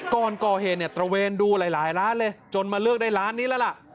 ก่อนก่อเหตุเนี่ยตระเวนดูหลายร้านเลยจนมาเลือกได้ร้านนี้แล้วล่ะ